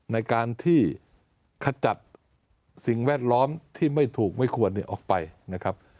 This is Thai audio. ในการที่ขจัดสิ่งแวดล้อมที่ไม่ถูกไม่ควรออกไปนะครับ